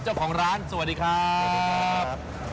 เจ้าของร้านสวัสดีครับ